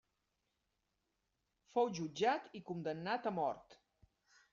Fou jutjat i condemnat a mort.